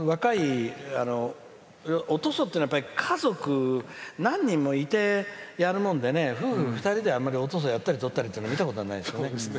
おとそっていうのは家族、何人もいてやるもので夫婦２人であんまりおとそやったりっていうのは見たことないですね。